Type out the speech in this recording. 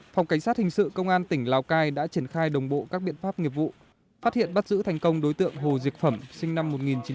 phòng cảnh sát hình sự công an tỉnh lào cai đã triển khai đồng bộ các biện pháp nghiệp vụ phát hiện bắt giữ thành công đối tượng hồ diệt phẩm sinh năm một nghìn chín trăm tám mươi